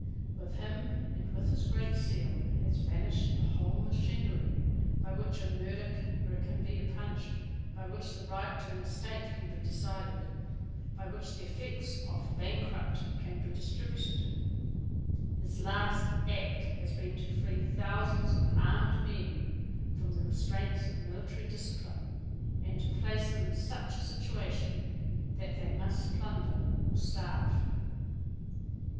With him, and with his Great Seal, has vanished the whole machinery by which a murderer can be punished, by which the right to an estate can be decided, by which the effects of a bankrupt can be distributed. His last act has been to free thousands of armed men from the restraints of military discipline, and to place them in such a situation that they must plunder or starve.